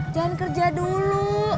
jangan kerja dulu